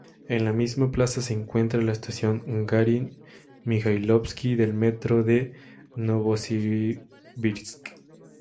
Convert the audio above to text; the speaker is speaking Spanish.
En la misma plaza se encuentra la estación Garin-Mijailovski del Metro de Novosibirsk.